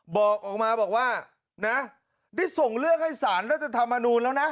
บอกออกมาบอกว่านะได้ส่งเรื่องให้สารรัฐธรรมนูลแล้วนะ